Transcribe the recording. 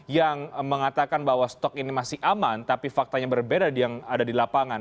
yang mengatakan bahwa stok ini masih aman tapi faktanya berbeda yang ada di lapangan